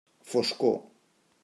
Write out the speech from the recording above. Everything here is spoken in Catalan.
Foscor.